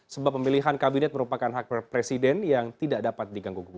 sebab pemilihan kabinet merupakan hak presiden yang tidak dapat diganggu